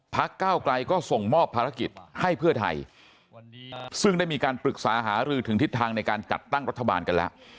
ก้าวไกลก็ส่งมอบภารกิจให้เพื่อไทยซึ่งได้มีการปรึกษาหารือถึงทิศทางในการจัดตั้งรัฐบาลกันแล้ว